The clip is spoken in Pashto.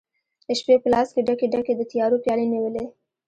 شپي په لاس کې ډکي، ډکي، د تیارو پیالې نیولي